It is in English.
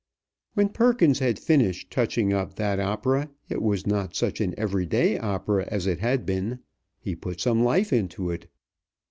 When Perkins had finished touching up that opera, it was not such an every day opera as it had been. He put some life into it.